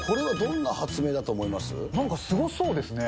なんかすごそうですね。